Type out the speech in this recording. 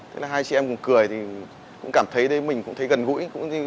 thế là hai chị em cùng cười thì cũng cảm thấy mình cũng thấy gần gũi